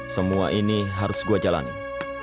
semua ini harus gue jalanin